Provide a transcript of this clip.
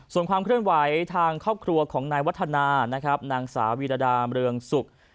ส่วนความเคลื่อนไหวทางครอบครัวของนายวัฒนานะครับนางสาวีรดาเมืองสุข